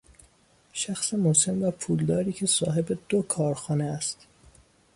شخص مسن و پولداری که صاحب دو کارخانه است